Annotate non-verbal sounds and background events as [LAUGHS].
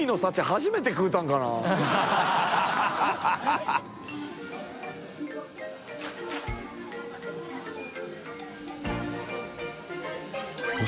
初めて食うたんかなハハハ [LAUGHS]